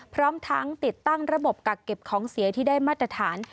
พร้อมทั้งติดตั้งระบบกักเก็บของเสียที่ได้มาตรฐาน